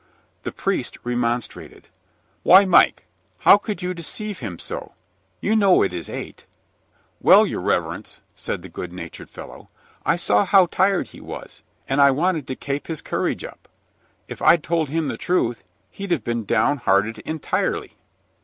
The priest remonstrated: "Why, Mike, how can you deceive him so? You know it is eight." "Well, your riverence," said the good natured fellow, "I saw how tired he was, and I wanted to kape his courage up. If I'd told him the truth, he'd have been down hearted intirely!"